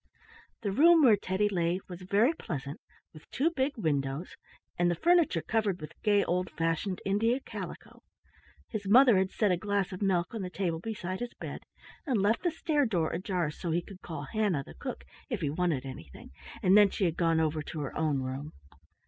The room where Teddy lay was very pleasant, with two big windows, and the furniture covered with gay old fashioned India calico. His mother had set a glass of milk on the table beside his bed, and left the stair door ajar so that he could call Hannah, the cook, if he wanted anything, and then she had gone over to her own room.